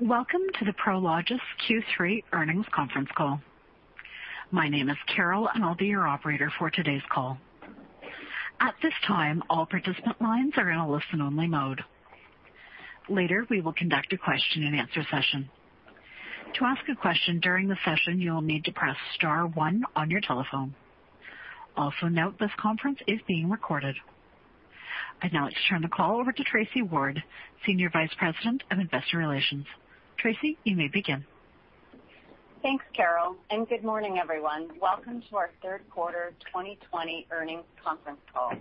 Welcome to the Prologis Q3 Earnings Conference Call. My name is Carol, and I'll be your operator for today's call. At this time, all participant lines are in a listen-only mode. Later, we will conduct a question-and-answer session. To ask a question during the session, you will need to press star one on your telephone. Also note, this conference is being recorded. I'd now like to turn the call over to Tracy Ward, Senior Vice President of Investor Relations. Tracy, you may begin. Thanks, Carol. Good morning, everyone. Welcome to our third quarter 2020 earnings conference call.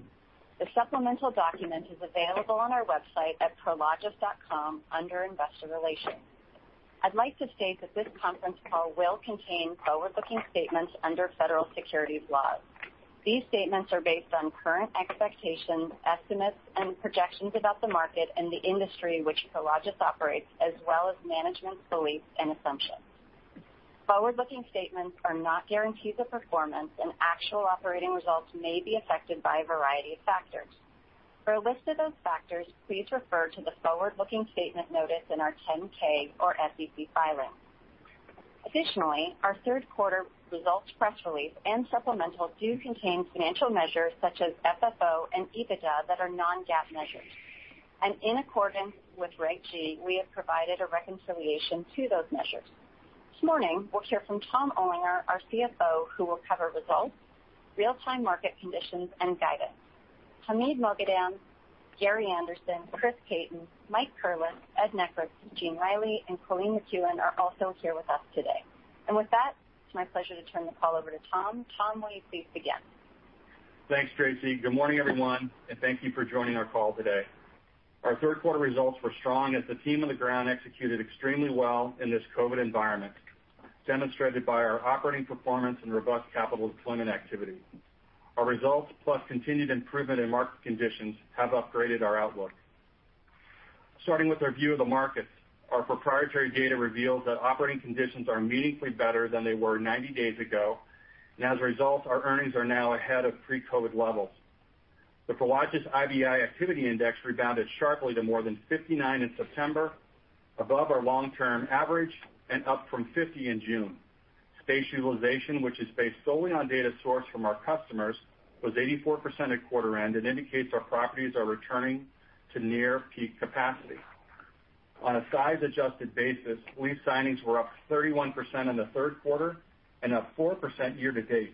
The supplemental document is available on our website at prologis.com under investor relations. I'd like to state that this conference call will contain forward-looking statements under federal securities laws. These statements are based on current expectations, estimates, and projections about the market and the industry which Prologis operates, as well as management's beliefs and assumptions. Forward-looking statements are not guarantees of performance, and actual operating results may be affected by a variety of factors. For a list of those factors, please refer to the forward-looking statement notice in our 10-K or SEC filings. Additionally, our third quarter results press release and supplemental do contain financial measures such as FFO and EBITDA that are non-GAAP measures. In accordance with Reg G, we have provided a reconciliation to those measures. This morning, we'll hear from Tom Olinger, our CFO, who will cover results, real-time market conditions, and guidance. Hamid Moghadam, Gary Anderson, Chris Caton, Mike Curless, Ed Nekritz, Gene Reilly, and Colleen McKeown are also here with us today. With that, it's my pleasure to turn the call over to Tom. Tom, will you please begin? Thanks, Tracy. Good morning, everyone, and thank you for joining our call today. Our third quarter results were strong as the team on the ground executed extremely well in this COVID environment, demonstrated by our operating performance and robust capital deployment activity. Our results, plus continued improvement in market conditions, have upgraded our outlook. Starting with our view of the markets, our proprietary data reveals that operating conditions are meaningfully better than they were 90 days ago, and as a result, our earnings are now ahead of pre-COVID levels. The Prologis IBI Activity Index rebounded sharply to more than 59 in September, above our long-term average and up from 50 in June. Space utilization, which is based solely on data sourced from our customers, was 84% at quarter end and indicates our properties are returning to near peak capacity. On a size-adjusted basis, lease signings were up 31% in the third quarter and up 4% year-to-date.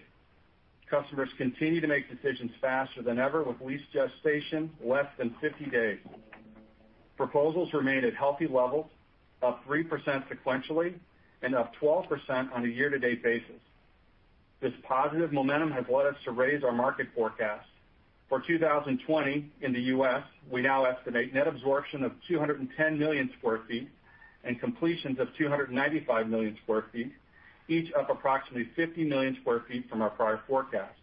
Customers continue to make decisions faster than ever with lease gestation less than 50 days. Proposals remained at healthy levels, up 3% sequentially and up 12% on a year-to-date basis. This positive momentum has led us to raise our market forecast. For 2020 in the U.S., we now estimate net absorption of 210 million sq ft and completions of 295 million sq ft, each up approximately 50 million sq ft from our prior forecast.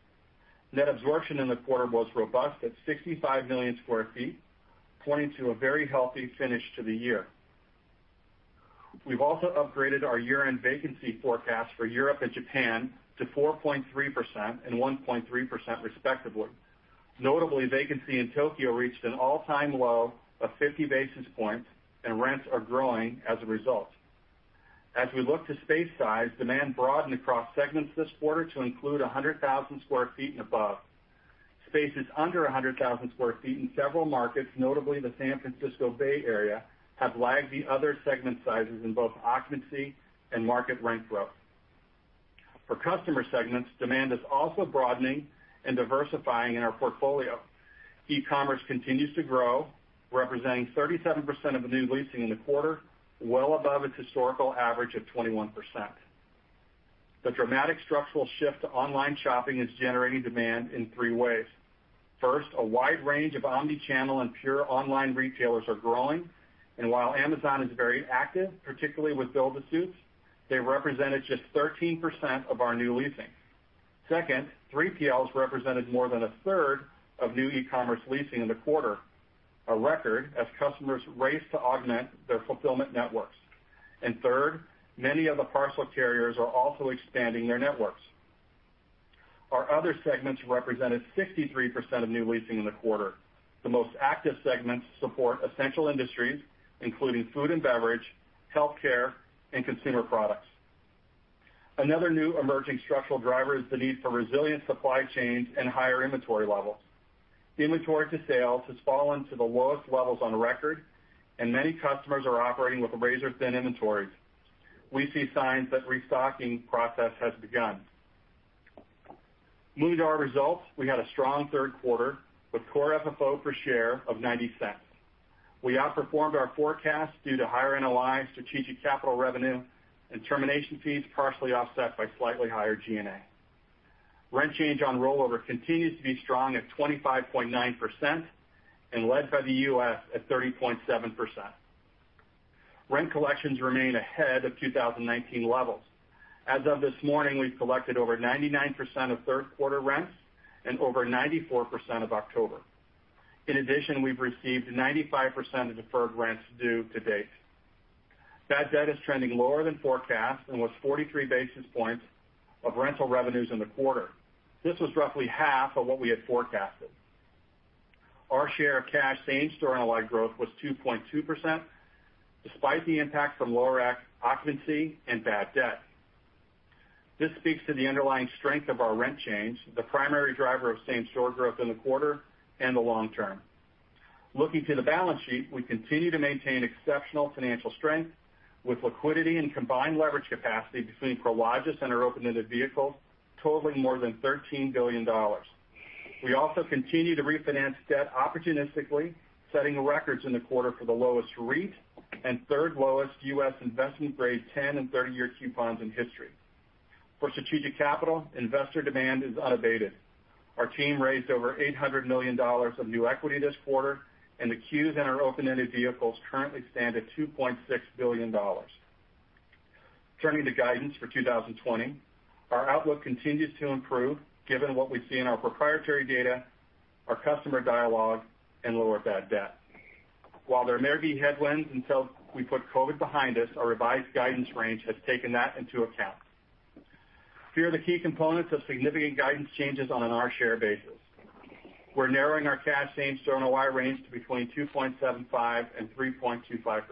Net absorption in the quarter was robust at 65 million sq ft, pointing to a very healthy finish to the year. We've also upgraded our year-end vacancy forecast for Europe and Japan to 4.3% and 1.3%, respectively. Notably, vacancy in Tokyo reached an all-time low of 50 basis points, and rents are growing as a result. As we look to space size, demand broadened across segments this quarter to include 100,000 sq ft and above. Spaces under 100,000 sq ft in several markets, notably the San Francisco Bay Area, have lagged the other segment sizes in both occupancy and market rent growth. For customer segments, demand is also broadening and diversifying in our portfolio. E-commerce continues to grow, representing 37% of the new leasing in the quarter, well above its historical average of 21%. The dramatic structural shift to online shopping is generating demand in three ways. First, a wide range of omni-channel and pure online retailers are growing, and while Amazon is very active, particularly with build-to-suits, they represented just 13% of our new leasing. Second, 3PLs represented more than a third of new e-commerce leasing in the quarter, a record, as customers race to augment their fulfillment networks. Third, many of the parcel carriers are also expanding their networks. Our other segments represented 63% of new leasing in the quarter. The most active segments support essential industries, including food and beverage, healthcare, and consumer products. Another new emerging structural driver is the need for resilient supply chains and higher inventory levels. Inventory to sales has fallen to the lowest levels on record, and many customers are operating with razor-thin inventories. We see signs that restocking process has begun. Moving to our results, we had a strong third quarter with core FFO per share of $0.90. We outperformed our forecast due to higher NOI, strategic capital revenue, and termination fees partially offset by slightly higher G&A. Rent change on rollover continues to be strong at 25.9% and led by the U.S. at 30.7%. Rent collections remain ahead of 2019 levels. As of this morning, we've collected over 99% of third quarter rents and over 94% of October. In addition, we've received 95% of deferred rents due to date. Bad debt is trending lower than forecast and was 43 basis points of rental revenues in the quarter. This was roughly half of what we had forecasted. Our share of cash same-store NOI growth was 2.2%, despite the impact from lower occupancy and bad debt. This speaks to the underlying strength of our rent change, the primary driver of same-store growth in the quarter and the long term. Looking to the balance sheet, we continue to maintain exceptional financial strength with liquidity and combined leverage capacity between Prologis and our open-ended vehicles totaling more than $13 billion. We also continue to refinance debt opportunistically, setting records in the quarter for the lowest REIT and third lowest U.S. investment grade 10 and 30-year coupons in history. For Strategic Capital, investor demand is unabated. Our team raised over $800 million of new equity this quarter, and the queues in our open-ended vehicles currently stand at $2.6 billion. Turning to guidance for 2020, our outlook continues to improve given what we see in our proprietary data, our customer dialogue, and lower bad debt. While there may be headwinds until we put COVID behind us, our revised guidance range has taken that into account. Here are the key components of significant guidance changes on an our share basis. We're narrowing our cash same-store NOI range to between 2.75% and 3.25%.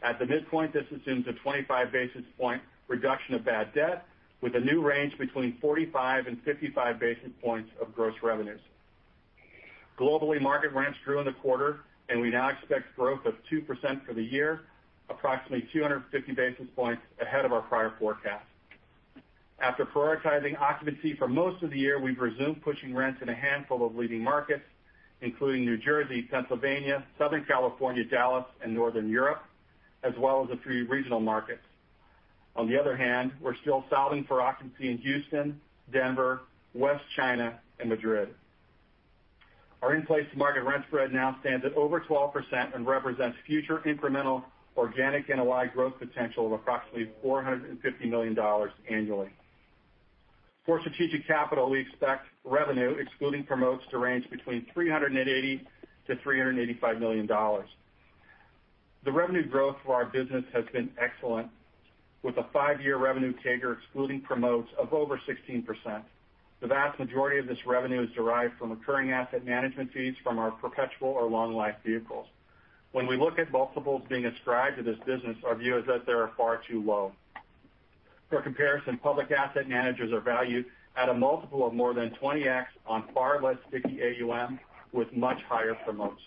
At the midpoint, this assumes a 25 basis point reduction of bad debt with a new range between 45 and 55 basis points of gross revenues. Globally, market rents grew in the quarter, and we now expect growth of 2% for the year, approximately 250 basis points ahead of our prior forecast. After prioritizing occupancy for most of the year, we've resumed pushing rents in a handful of leading markets, including New Jersey, Pennsylvania, Southern California, Dallas, and Northern Europe, as well as a few regional markets. On the other hand, we're still battling for occupancy in Houston, Denver, West China, and Madrid. Our in-place market rent spread now stands at over 12% and represents future incremental organic NOI growth potential of approximately $450 million annually. For strategic capital, we expect revenue excluding promotes to range between $380 million-$385 million. The revenue growth for our business has been excellent, with a five-year revenue CAGR excluding promotes of over 16%. The vast majority of this revenue is derived from recurring asset management fees from our perpetual or long-life vehicles. When we look at multiples being ascribed to this business, our view is that they are far too low. For comparison, public asset managers are valued at a multiple of more than 20x on far less sticky AUM with much higher promotes.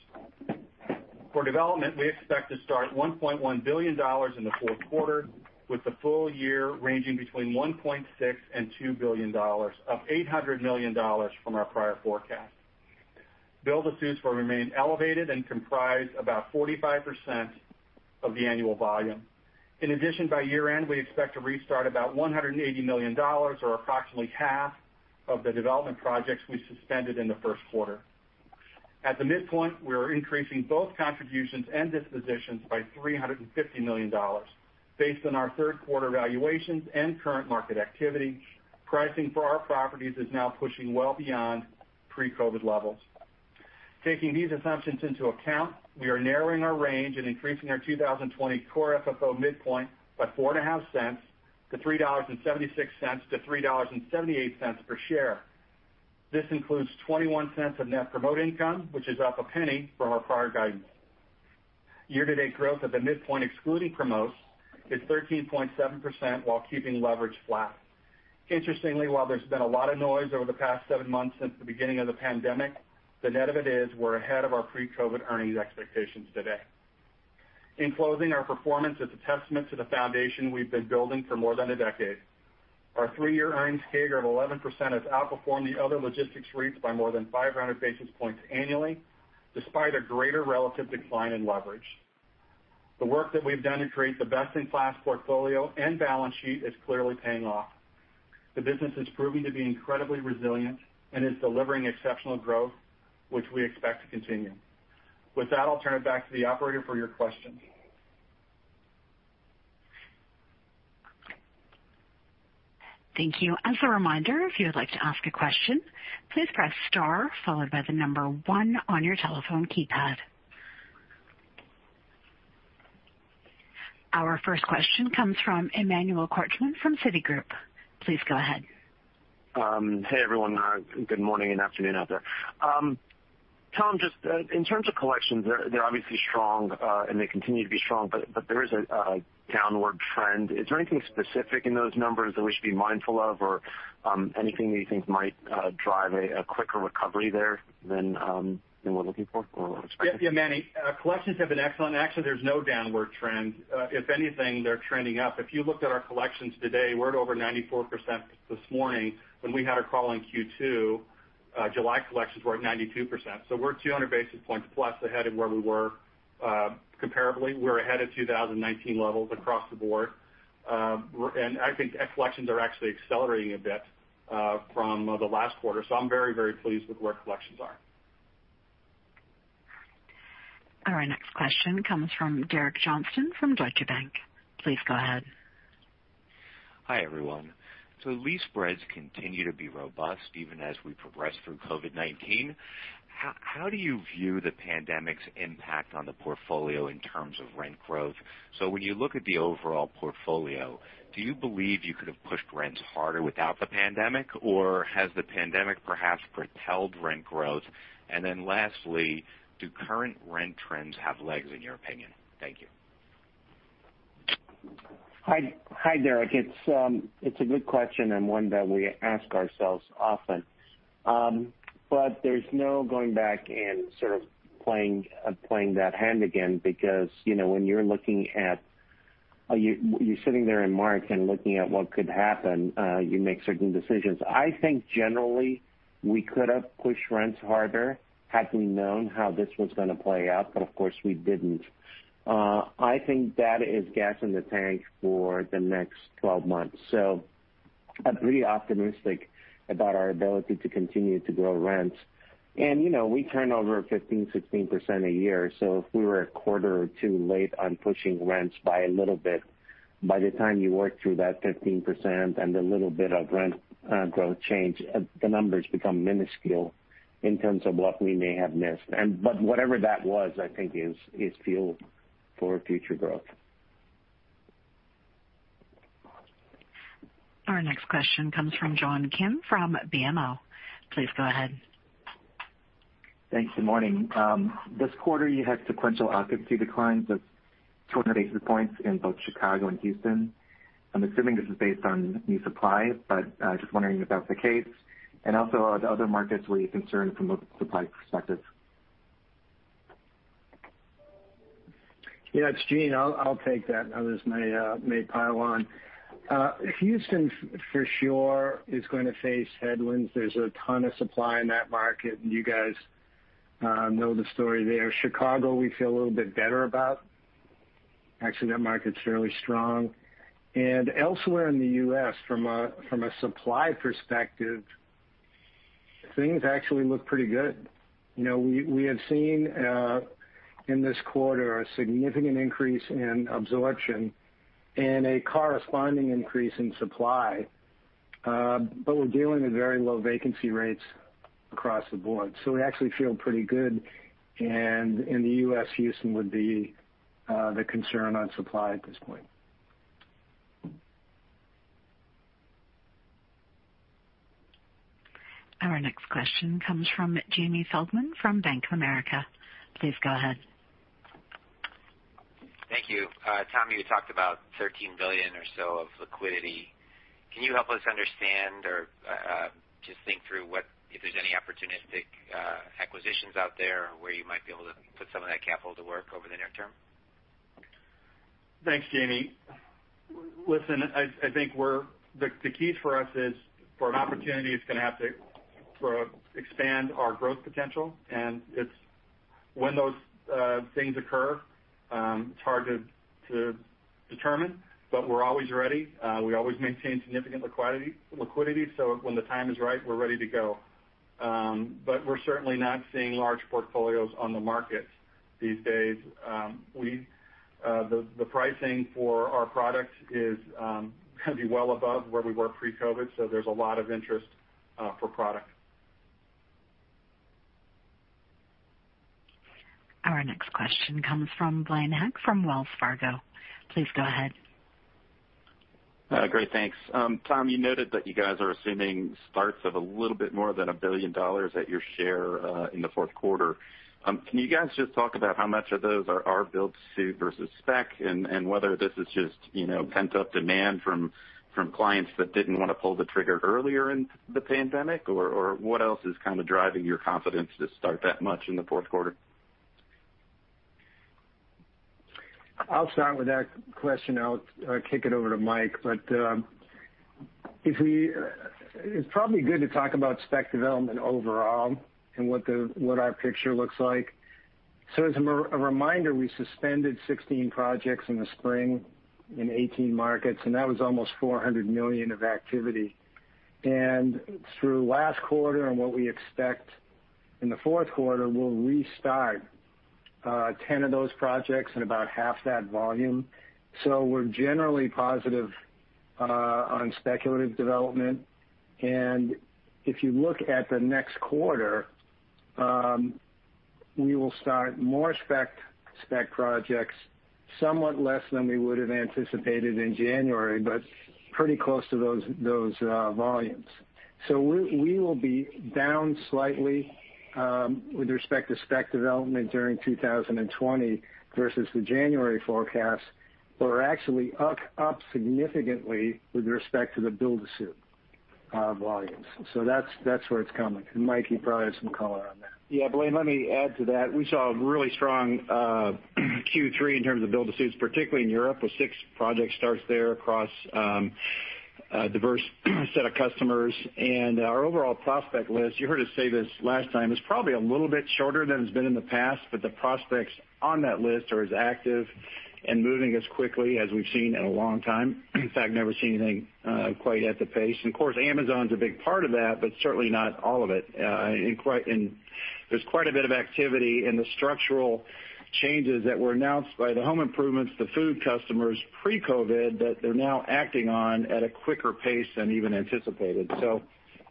For development, we expect to start $1.1 billion in the fourth quarter, with the full year ranging between $1.6 billion and $2 billion up $800 million from our prior forecast. Build-to-suits will remain elevated and comprise about 45% of the annual volume. In addition, by year-end, we expect to restart about $180 million or approximately half of the development projects we suspended in the first quarter. At the midpoint, we are increasing both contributions and dispositions by $350 million based on our third quarter valuations and current market activity. Pricing for our properties is now pushing well beyond pre-COVID levels. Taking these assumptions into account, we are narrowing our range and increasing our 2020 core FFO midpoint by $0.045 to $3.76-$3.78 per share. This includes $0.21 of net promote income, which is up $0.01 from our prior guidance. Year-to-date growth at the midpoint excluding promotes is 13.7% while keeping leverage flat. Interestingly, while there's been a lot of noise over the past seven months since the beginning of the pandemic, the net of it is we're ahead of our pre-COVID earnings expectations today. In closing, our performance is a testament to the foundation we've been building for more than a decade. Our three-year earnings CAGR of 11% has outperformed the other logistics REITs by more than 500 basis points annually, despite a greater relative decline in leverage. The work that we've done to create the best-in-class portfolio and balance sheet is clearly paying off. The business is proving to be incredibly resilient and is delivering exceptional growth, which we expect to continue. With that, I'll turn it back to the operator for your questions. Thank you. As a reminder, if you would like to ask a question, please press star followed by the number one on your telephone keypad. Our first question comes from Emmanuel Korchman from Citigroup. Please go ahead. Hey, everyone. Good morning and afternoon out there. Tom, just in terms of collections, they're obviously strong, and they continue to be strong, but there is a downward trend. Is there anything specific in those numbers that we should be mindful of or anything that you think might drive a quicker recovery there than we're looking for or expecting? Yeah. Manny, collections have been excellent. Actually, there's no downward trend. If anything, they're trending up. If you looked at our collections today, we're at over 94% this morning. When we had our call in Q2, July collections were at 92%. We're 200 basis points plus ahead of where we were comparably. We're ahead of 2019 levels across the board. I think collections are actually accelerating a bit from the last quarter. I'm very pleased with where collections are. Our next question comes from Derek Johnston from Deutsche Bank. Please go ahead. Hi, everyone. Lease spreads continue to be robust even as we progress through COVID-19. How do you view the pandemic's impact on the portfolio in terms of rent growth? When you look at the overall portfolio, do you believe you could have pushed rents harder without the pandemic, or has the pandemic perhaps propelled rent growth? Lastly, do current rent trends have legs, in your opinion? Thank you. Hi, Derek. It's a good question and one that we ask ourselves often. There's no going back and sort of playing that hand again because when you're sitting there in March and looking at what could happen, you make certain decisions. I think generally, we could have pushed rents harder had we known how this was going to play out, but of course we didn't. I think that is gas in the tank for the next 12 months. So I'm pretty optimistic about our ability to continue to grow rents. We turn over 15%, 16% a year, so if we were a quarter or two late on pushing rents by a little bit, by the time you work through that 15% and the little bit of rent growth change, the numbers become minuscule in terms of what we may have missed. Whatever that was, I think is fuel for future growth. Our next question comes from John Kim from BMO. Please go ahead. Thanks, good morning. This quarter you had sequential occupancy declines of 20 basis points in both Chicago and Houston. I'm assuming this is based on new supply, but just wondering if that's the case. Are the other markets where you're concerned from a supply perspective? Yeah, it's Gene. I'll take that others may pile on. Houston for sure is going to face headwinds. There's a ton of supply in that market, and you guys know the story there. Chicago, we feel a little bit better about. Actually, that market's fairly strong. Elsewhere in the U.S., from a supply perspective, things actually look pretty good. We have seen in this quarter a significant increase in absorption and a corresponding increase in supply, but we're dealing with very low vacancy rates across the board. We actually feel pretty good. In the U.S., Houston would be the concern on supply at this point. Our next question comes from Jamie Feldman from Bank of America. Please go ahead. Thank you. Tom, you talked about $13 billion or so of liquidity. Can you help us understand or just think through if there's any opportunistic acquisitions out there where you might be able to put some of that capital to work over the near term? Thanks, Jamie. Listen, I think the key for us is for an opportunity it's going to have to expand our growth potential, and when those things occur, it's hard to determine. We're always ready. We always maintain significant liquidity, so when the time is right, we're ready to go. We're certainly not seeing large portfolios on the market these days. The pricing for our products is going to be well above where we were pre-COVID, so there's a lot of interest for product. Our next question comes from Blaine Heck from Wells Fargo. Please go ahead. Great. Thanks. Tom, you noted that you guys are assuming starts of a little bit more than $1 billion at your share in the fourth quarter. Can you guys just talk about how much of those are build-to-suit versus spec, and whether this is just pent-up demand from clients that didn't want to pull the trigger earlier in the pandemic? What else is kind of driving your confidence to start that much in the fourth quarter? I'll start with that question out, kick it over to Mike. It's probably good to talk about spec development overall and what our picture looks like. As a reminder, we suspended 16 projects in the spring in 18 markets, and that was almost $400 million of activity. Through last quarter and what we expect in the fourth quarter, we'll restart 10 of those projects and about half that volume. We're generally positive on speculative development. If you look at the next quarter, we will start more spec projects, somewhat less than we would've anticipated in January, but pretty close to those volumes. We will be down slightly with respect to spec development during 2020 versus the January forecast. We're actually up significantly with respect to the build-to-suit volumes. That's where it's coming. Mike, you probably have some color on that. Yeah. Blaine, let me add to that. We saw a really strong Q3 in terms of build-to-suits, particularly in Europe, with six project starts there across a diverse set of customers. Our overall prospect list, you heard us say this last time, is probably a little shorter than it's been in the past, but the prospects on that list are as active and moving as quickly as we've seen in a long time. In fact, never seen anything quite at the pace. Of course, Amazon's a big part of that, but certainly not all of it. There's quite a bit of activity in the structural changes that were announced by the home improvements, the food customers pre-COVID that they're now acting on at a quicker pace than even anticipated.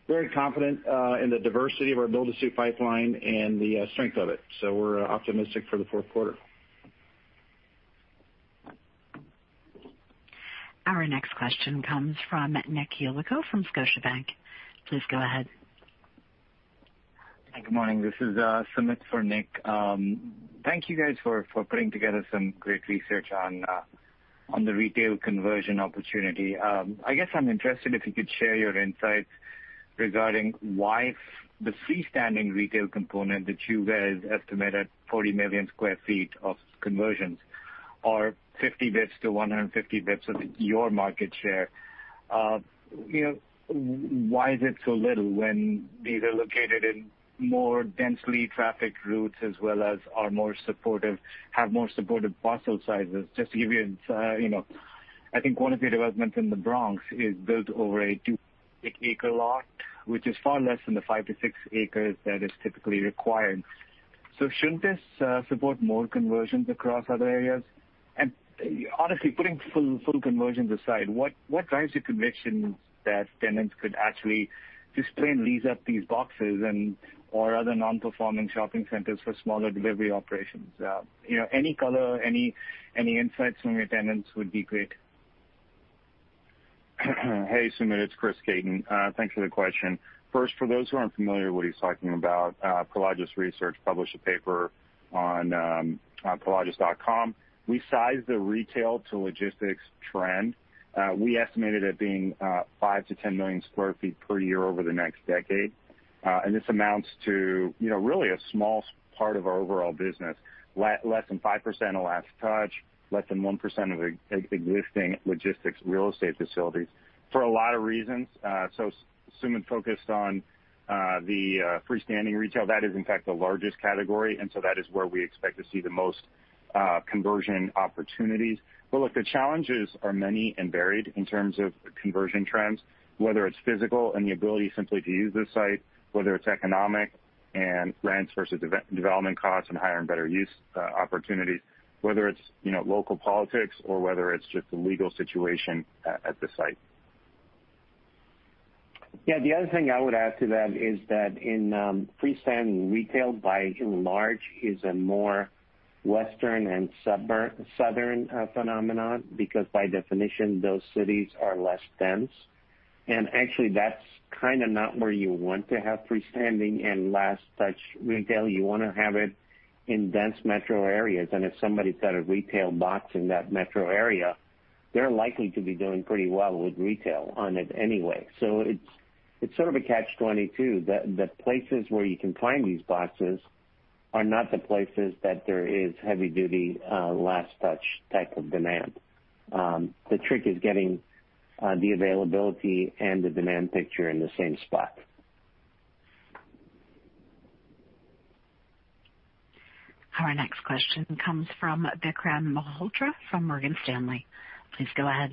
Very confident in the diversity of our build-to-suit pipeline and the strength of it. We're optimistic for the fourth quarter. Our next question comes from Nick Yulico from Scotiabank. Please go ahead. Hi, good morning. This is Sumit for Nick. Thank you guys for putting together some great research on the retail conversion opportunity. I guess I'm interested if you could share your insights regarding why the freestanding retail component that you guys estimate at 40 million sq ft of conversions are 50 basis points to 150 basis points of your market share. Why is it so little when these are located in more densely trafficked routes as well as have more supportive parcel sizes? Just to give you insight, I think one of the developments in the Bronx is built over a two-acre lot, which is far less than the 5 acres-6 acres that is typically required. Shouldn't this support more conversions across other areas? Honestly, putting full conversions aside, what drives your conviction that tenants could actually just plain lease up these boxes or other non-performing shopping centers for smaller delivery operations? Any color, any insights from your tenants would be great. Hey, Sumit, it's Chris Caton. Thanks for the question. First, for those who aren't familiar with what he's talking about, Prologis Research published a paper on prologis.com. We sized the retail to logistics trend. We estimated it being 5 million sq ft-10 million sq ft per year over the next decade. This amounts to really a small part of our overall business, less than 5% of last touch, less than 1% of existing logistics real estate facilities, for a lot of reasons. Sumit focused on the freestanding retail. That is, in fact, the largest category, and so that is where we expect to see the most conversion opportunities. Look, the challenges are many and varied in terms of conversion trends, whether it's physical and the ability simply to use the site, whether it's economic and rents versus development costs and higher and better use opportunities, whether it's local politics or whether it's just the legal situation at the site. Yeah, the other thing I would add to that is that freestanding retail by and large is a more Western and Southern phenomenon because by definition, those cities are less dense. Actually, that's kind of not where you want to have freestanding and last touch retail. You want to have it in dense metro areas. If somebody's got a retail box in that metro area, they're likely to be doing pretty well with retail on it anyway. It's sort of a catch-22. The places where you can find these boxes are not the places that there is heavy duty last touch type of demand. The trick is getting the availability and the demand picture in the same spot. Our next question comes from Vikram Malhotra from Morgan Stanley. Please go ahead.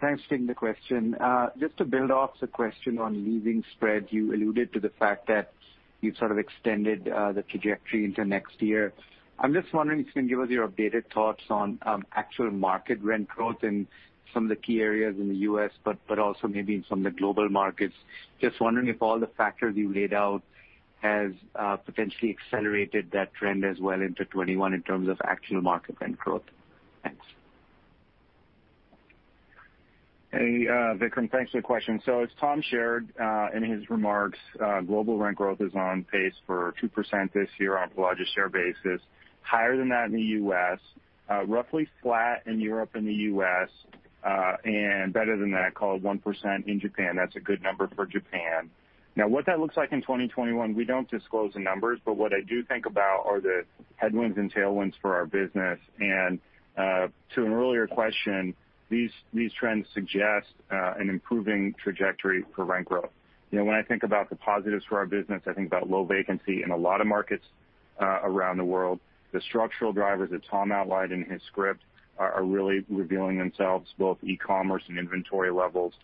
Thanks for taking the question. Just to build off the question on leasing spreads, you alluded to the fact that you've sort of extended the trajectory into next year. I'm just wondering if you can give us your updated thoughts on actual market rent growth in some of the key areas in the U.S. but also maybe in some of the global markets. Just wondering if all the factors you laid out have potentially accelerated that trend as well into 2021 in terms of actual market rent growth. Thanks. Hey, Vikram. Thanks for the question. As Tom shared in his remarks, global rent growth is on pace for 2% this year on Prologis share basis, higher than that in the U.S., roughly flat in Europe and the U.S., and better than that, call it 1%, in Japan. That's a good number for Japan. What that looks like in 2021, we don't disclose the numbers, but what I do think about are the headwinds and tailwinds for our business. To an earlier question, these trends suggest an improving trajectory for rent growth. When I think about the positives for our business, I think about low vacancy in a lot of markets around the world. The structural drivers that Tom outlined in his script are really revealing themselves, both e-commerce and inventory levels.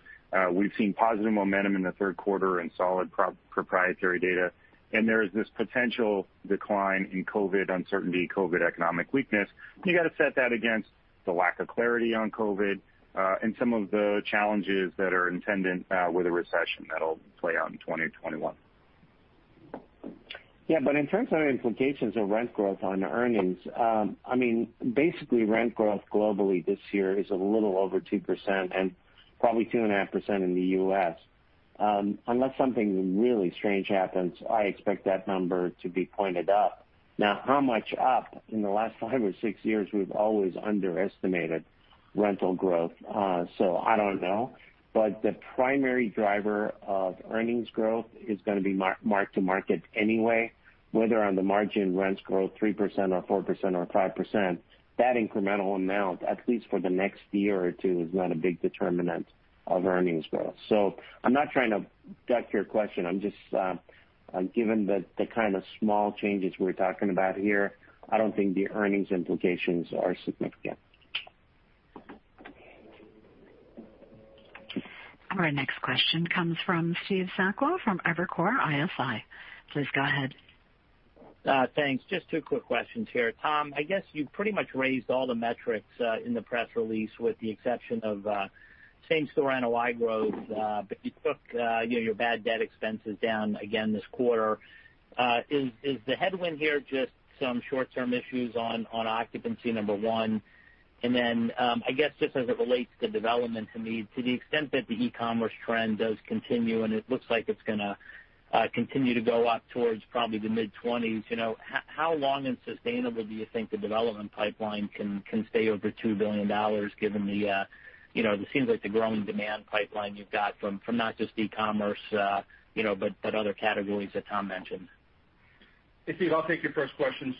We've seen positive momentum in the third quarter and solid proprietary data. There is this potential decline in COVID uncertainty, COVID economic weakness. You got to set that against the lack of clarity on COVID and some of the challenges that are intended with a recession that'll play out in 2021. In terms of implications of rent growth on earnings, basically rent growth globally this year is a little over 2% and probably 2.5% in the U.S. Unless something really strange happens, I expect that number to be pointed up. How much up? In the last five or six years, we've always underestimated rental growth, so I don't know. The primary driver of earnings growth is going to be mark to market anyway, whether on the margin rents grow 3% or 4% or 5%. That incremental amount, at least for the next year or two, is not a big determinant of earnings growth. I'm not trying to duck your question. Given the kind of small changes we're talking about here, I don't think the earnings implications are significant. Our next question comes from Steve Sakwa from Evercore ISI. Please go ahead. Thanks. Just two quick questions here. Tom, I guess you pretty much raised all the metrics in the press release with the exception of same store NOI growth. You took your bad debt expenses down again this quarter. Is the headwind here just some short-term issues on occupancy, number one? I guess, just as it relates to development, to the extent that the e-commerce trend does continue, and it looks like it's going to continue to go up towards probably the mid-20s. How long and sustainable do you think the development pipeline can stay over $2 billion, given what seems like the growing demand pipeline you've got from not just e-commerce but other categories that Tom mentioned? Hey, Steve, I'll take your first question.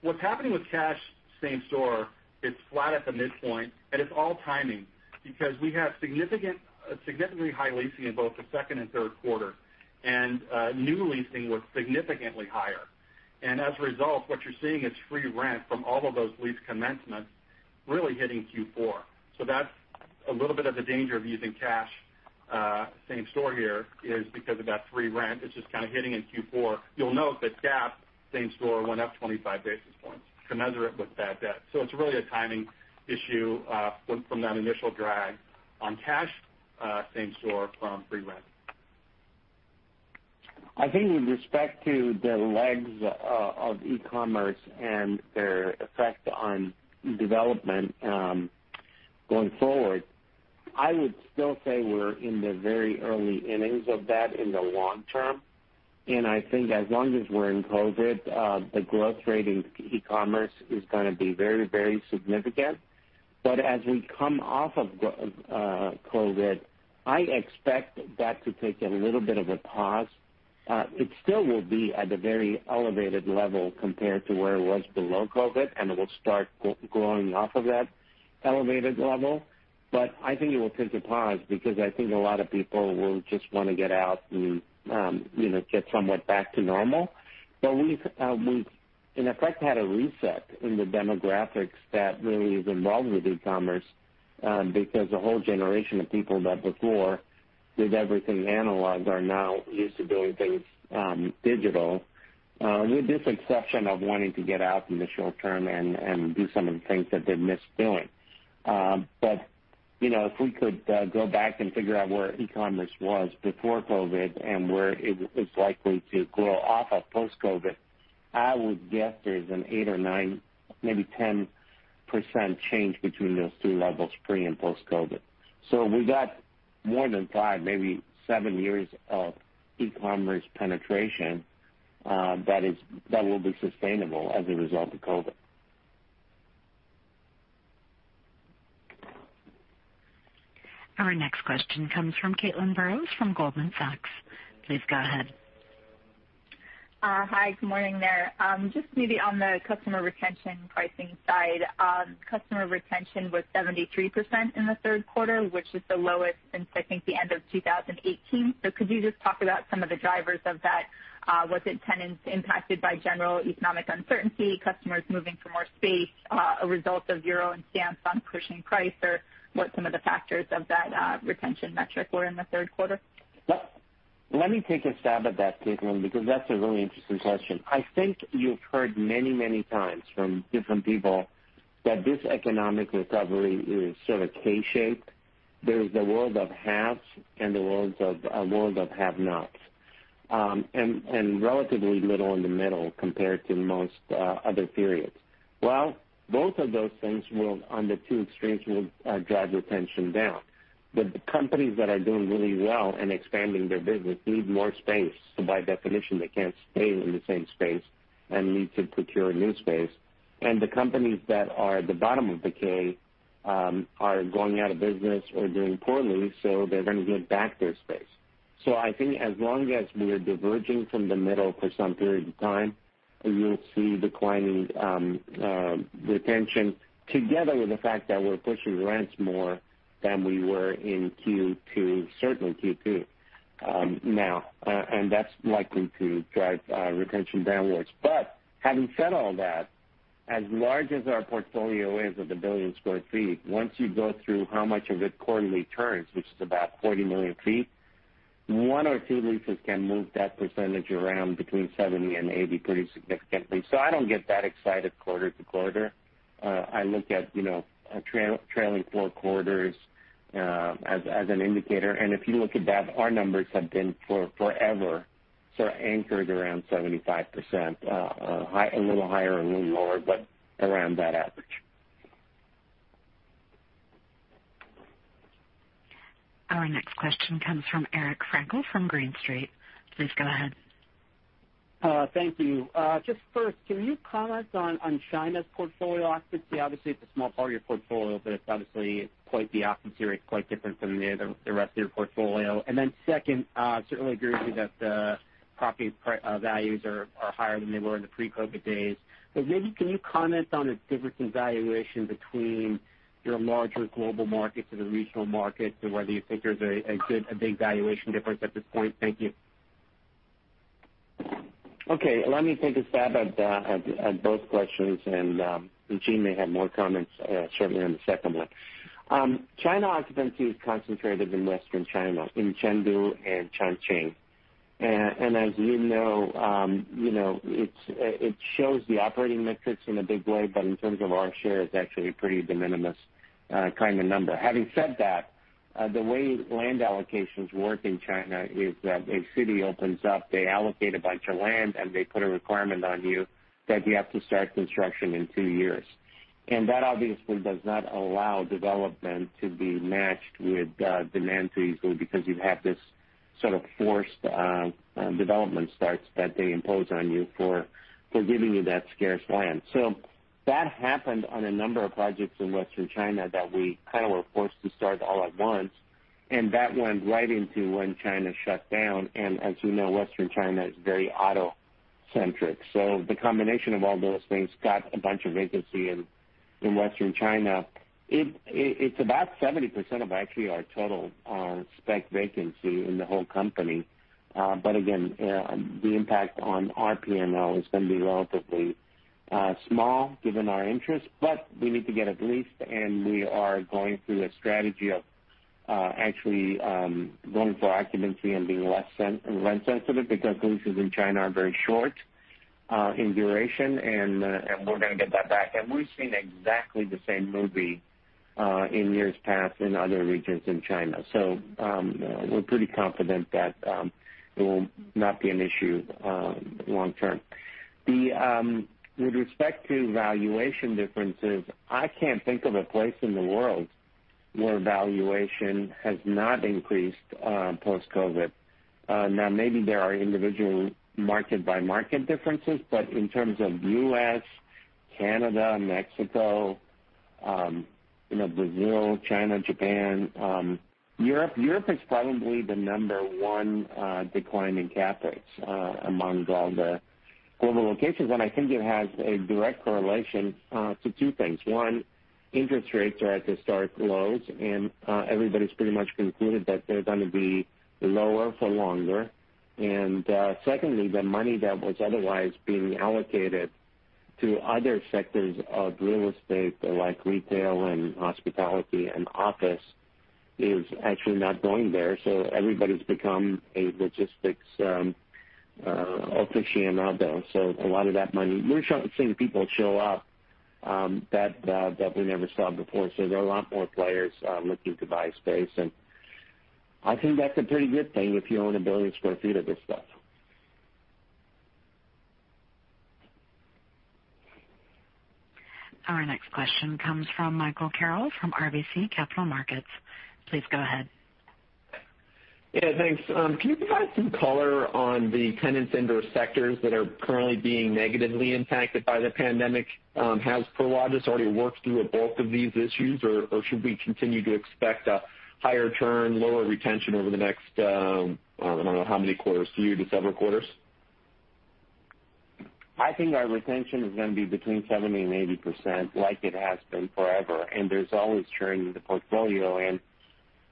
What's happening with cash same store, it's flat at the midpoint, and it's all timing because we have significantly high leasing in both the second and third quarter. New leasing was significantly higher. As a result, what you're seeing is free rent from all of those lease commencements really hitting Q4. That's a little bit of the danger of using cash same store here is because of that free rent. It's just kind of hitting in Q4. You'll note that GAAP same store went up 25 basis points, commensurate with bad debt. It's really a timing issue from that initial drag on cash same store from free rent. I think with respect to the legs of e-commerce and their effect on development going forward, I would still say we're in the very early innings of that in the long term. I think as long as we're in COVID, the growth rate in e-commerce is going to be very significant. As we come off of COVID, I expect that to take a little bit of a pause. It still will be at a very elevated level compared to where it was below COVID, and it will start growing off of that elevated level. I think it will take a pause because I think a lot of people will just want to get out and get somewhat back to normal. We've, in effect, had a reset in the demographics that really is involved with e-commerce, because a whole generation of people that before did everything analog are now used to doing things digital, with this exception of wanting to get out in the short term and do some of the things that they've missed doing. If we could go back and figure out where e-commerce was before COVID and where it is likely to grow off of post-COVID, I would guess there's an 8% or 9%, maybe 10% change between those two levels, pre- and post-COVID. We've got more than five, maybe seven years of e-commerce penetration that will be sustainable as a result of COVID. Our next question comes from Caitlin Burrows from Goldman Sachs. Please go ahead. Hi, good morning there. Just maybe on the customer retention pricing side. Customer retention was 73% in the third quarter, which is the lowest since I think the end of 2018. Could you just talk about some of the drivers of that? Was it tenants impacted by general economic uncertainty, customers moving for more space, a result of your own stance on pushing price, or what some of the factors of that retention metric were in the third quarter? Let me take a stab at that, Caitlin, because that's a really interesting question. I think you've heard many times from different people that this economic recovery is sort of K-shaped. There's the world of haves and a world of have-nots, and relatively little in the middle compared to most other periods. Well, both of those things on the two extremes will drive retention down. The companies that are doing really well and expanding their business need more space, so by definition, they can't stay in the same space and need to procure a new space. The companies that are at the bottom of the K are going out of business or doing poorly, so they're going to give back their space. I think as long as we're diverging from the middle for some period of time, you'll see declining retention together with the fact that we're pushing rents more than we were in certainly Q2 now, and that's likely to drive retention downwards. Having said all that, as large as our portfolio is of the 1 billion sq ft, once you go through how much of it quarterly turns, which is about 40 million ft, one or two leases can move that percentage around between 70 and 80 pretty significantly. I don't get that excited quarter to quarter. I look at trailing four quarters as an indicator. If you look at that, our numbers have been forever sort of anchored around 75%, a little higher or a little lower, but around that average. Our next question comes from Eric Frankel from Green Street. Please go ahead. Thank you. Just first, can you comment on China's portfolio occupancy? Obviously, it's a small part of your portfolio, but it's obviously quite the opposite here. It's quite different from the rest of your portfolio. Then second, I certainly agree with you that the property values are higher than they were in the pre-COVID days. Maybe can you comment on the difference in valuation between your larger global markets and the regional markets, and whether you think there's a big valuation difference at this point? Thank you. Okay, let me take a stab at both questions, and Gene may have more comments, certainly on the second one. China occupancy is concentrated in Western China, in Chengdu and Chongqing. As you know, it shows the operating metrics in a big way, but in terms of our share, it's actually a pretty de minimis kind of number. Having said that, the way land allocations work in China is that a city opens up, they allocate a bunch of land, and they put a requirement on you that you have to start construction in two years. That obviously does not allow development to be matched with demand easily because you have this sort of forced development starts that they impose on you for giving you that scarce land. That happened on a number of projects in Western China that we kind of were forced to start all at once, and that went right into when China shut down, and as we know, Western China is very auto-centric. The combination of all those things got a bunch of vacancy in Western China. It's about 70% of actually our total spec vacancy in the whole company. Again, the impact on our P&L is going to be relatively small given our interest. We need to get it leased, and we are going through a strategy of actually going for occupancy and being less rent sensitive because leases in China are very short in duration, and we're going to get that back. We've seen exactly the same movie in years past in other regions in China. We're pretty confident that it will not be an issue long term. With respect to valuation differences, I can't think of a place in the world where valuation has not increased post-COVID. Maybe there are individual market-by-market differences, but in terms of U.S., Canada, Mexico, Brazil, China, Japan, Europe. Europe is probably the number one decline in cap rates among all the global locations, and I think it has a direct correlation to two things. One, interest rates are at historic lows, and everybody's pretty much concluded that they're going to be lower for longer. Secondly, the money that was otherwise being allocated to other sectors of real estate, like retail and hospitality and office, is actually not going there. Everybody's become a logistics aficionado. We're seeing people show up that we never saw before. There are a lot more players looking to buy space, and I think that's a pretty good thing if you own 1 billion sq ft of this stuff. Our next question comes from Michael Carroll from RBC Capital Markets. Please go ahead. Yeah, thanks. Can you provide some color on the tenants in those sectors that are currently being negatively impacted by the pandemic? Has Prologis already worked through a bulk of these issues, or should we continue to expect a higher turn, lower retention over the next, I don't know how many quarters? Few to several quarters? I think our retention is going to be between 70% and 80%, like it has been forever. There's always churn in the portfolio.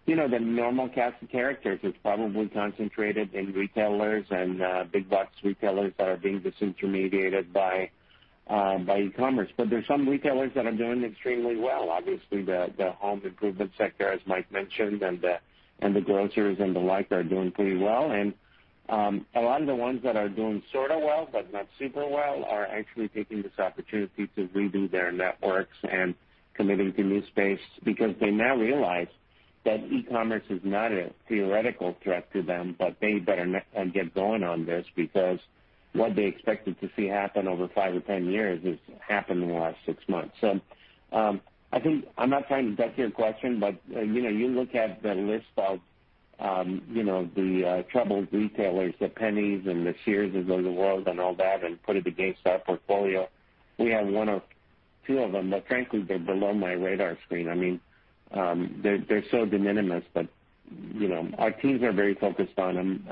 The normal cast of characters is probably concentrated in retailers and big-box retailers that are being disintermediated by e-commerce. There are some retailers that are doing extremely well. Obviously, the home improvement sector, as Mike mentioned, and the groceries and the like are doing pretty well. A lot of the ones that are doing sort of well, but not super well, are actually taking this opportunity to redo their networks and committing to new space because they now realize that e-commerce is not a theoretical threat to them, but they better get going on this because what they expected to see happen over five or 10 years has happened in the last six months. I'm not trying to duck your question, but you look at the list of the troubled retailers, the Penney's and the Sears of the world and all that, and put it against our portfolio. We have one or two of them, but frankly, they're below my radar screen. They're so de minimis. Our teams are very focused on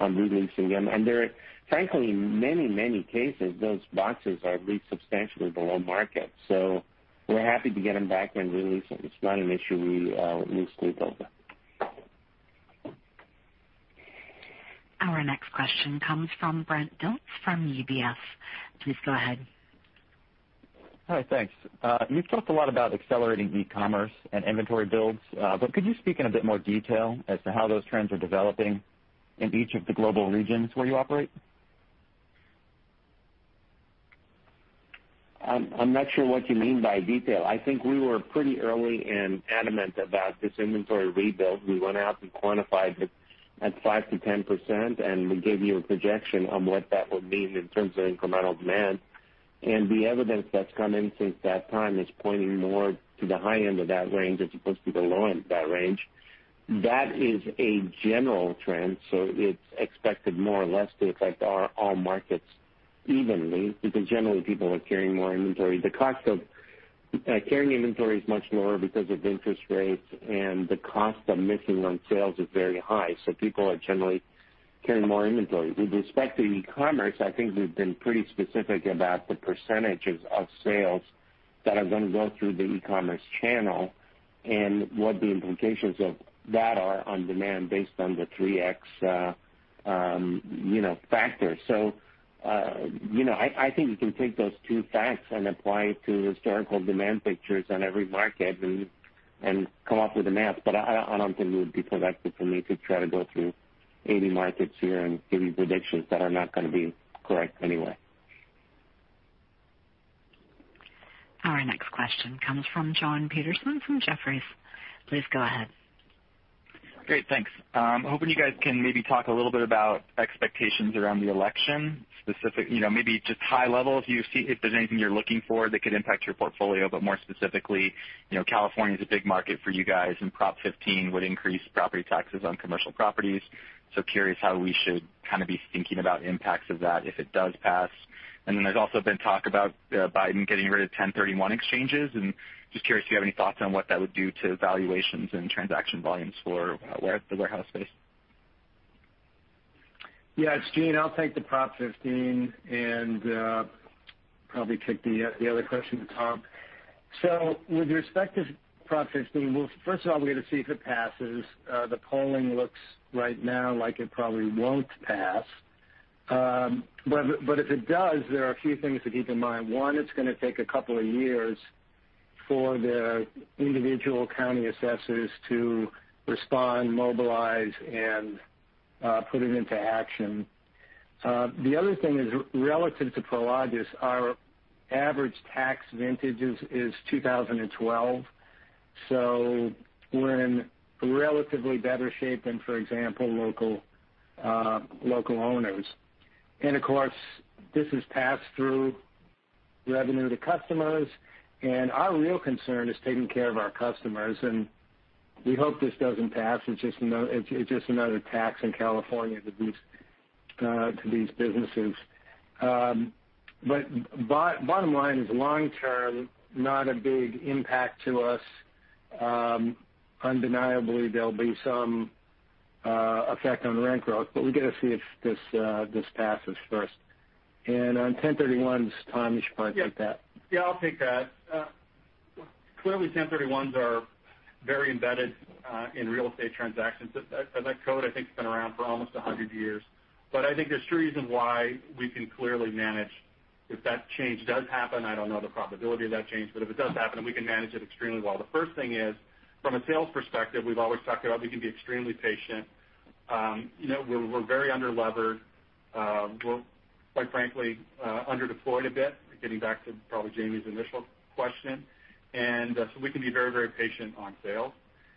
re-leasing them. There are, frankly, in many cases, those boxes are leased substantially below market. We're happy to get them back when leasing. It's not an issue we lose sleep over. Our next question comes from Brent Dilts from UBS. Please go ahead. Hi, thanks. You've talked a lot about accelerating e-commerce and inventory builds. Could you speak in a bit more detail as to how those trends are developing in each of the global regions where you operate? I'm not sure what you mean by detail. I think we were pretty early and adamant about this inventory rebuild. We went out and quantified it at 5%-10%. We gave you a projection on what that would mean in terms of incremental demand. The evidence that's come in since that time is pointing more to the high end of that range as opposed to the low end of that range. That is a general trend. It's expected more or less to affect all markets evenly because generally people are carrying more inventory. The cost of carrying inventory is much lower because of interest rates. The cost of missing on sales is very high. People are generally carrying more inventory. With respect to e-commerce, I think we've been pretty specific about the percentages of sales that are going to go through the e-commerce channel and what the implications of that are on demand based on the 3x factor. I think you can take those two facts and apply it to historical demand pictures on every market and come up with the math, but I don't think it would be productive for me to try to go through 80 markets here and give you predictions that are not going to be correct anyway. Our next question comes from Jon Petersen from Jefferies. Please go ahead. Great. Thanks. I'm hoping you guys can maybe talk a little bit about expectations around the election. Maybe just high level, if there's anything you're looking for that could impact your portfolio. More specifically, California is a big market for you guys, and Prop 15 would increase property taxes on commercial properties. Curious how we should kind of be thinking about impacts of that if it does pass. Then there's also been talk about Biden getting rid of 1031 exchanges, and just curious if you have any thoughts on what that would do to valuations and transaction volumes for the warehouse space. Yeah, it's Gene. I'll take the Prop 15 and probably kick the other question to Tom. With respect to Prop 15, first of all, we got to see if it passes. The polling looks right now like it probably won't pass. If it does, there are a few things to keep in mind. One, it's going to take a couple of years for the individual county assessors to respond, mobilize, and put it into action. The other thing is relative to Prologis, our average tax vintages is 2012. We're in relatively better shape than, for example, local owners. And of course, this is passed through revenue to customers, and our real concern is taking care of our customers, and we hope this doesn't pass. It's just another tax in California to these businesses. Bottom line is long term, not a big impact to us. Undeniably, there'll be some effect on rent growth, but we got to see if this passes first. On 1031s, Tom, you should probably take that. Yeah, I'll take that. Clearly, 1031s are very embedded in real estate transactions. That code, I think, has been around for almost 100 years. I think there's three reasons why we can clearly manage if that change does happen. I don't know the probability of that change, but if it does happen, we can manage it extremely well. The first thing is, from a sales perspective, we've always talked about we can be extremely patient. We're very under-levered. We're, quite frankly, under-deployed a bit, getting back to probably Jamie's initial question. We can be very patient on sales.